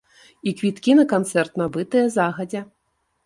І квіткі на канцэрт, набытыя загадзя.